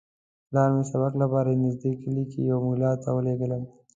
پلار مې د سبق لپاره نږدې کلي کې یوه ملا ته ولېږلم.